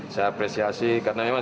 saya apresiasi karena memang